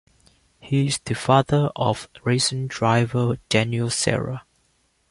He is the father of racing driver Daniel Serra.